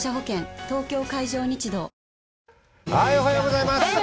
おはようございます。